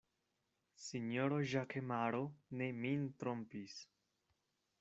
Sinjoro Ĵakemaro ne min trompis!